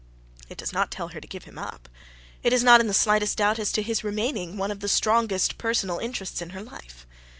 It does not tell her to give him up. It is not in the slightest doubt as to his remaining one of the strongest personal interests in her life.